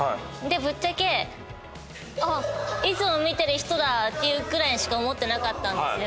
ぶっちゃけあっいつも見てる人だっていうくらいしか思ってなかったんですよ。